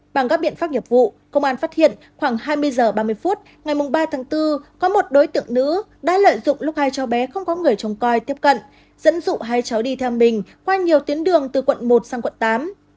bằng các biện pháp nghiệp vụ công an phát hiện khoảng hai mươi h ba mươi phút ngày ba tháng bốn có một đối tượng nữ đã lợi dụng lúc hai cháu bé không có người trông coi tiếp cận dẫn dụ hai cháu đi thăm mình qua nhiều tuyến đường từ quận một sang quận tám